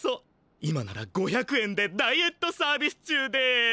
今なら５００円でダイエットサービス中です。